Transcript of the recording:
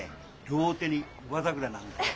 両手にうば桜なんだよ。